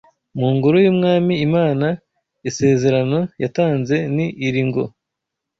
mu ngoro y’Umwami Imana Isezerano yatanze ni iri ngo: